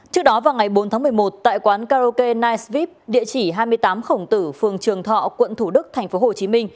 trước đó vào ngày bốn tháng một mươi một tại quán karaoke niger địa chỉ hai mươi tám khổng tử phường trường thọ quận thủ đức tp hcm